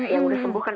yang sudah sembuh kan